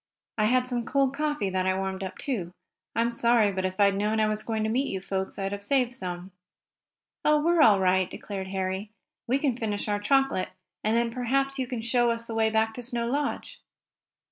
I had some cold coffee that I warmed up, too. I'm sorry, but if I had known I was going to meet you folks I'd have saved some." "Oh, we're all right," declared Harry. "We can finish our chocolate, and then perhaps you can show us the way back to Snow Lodge."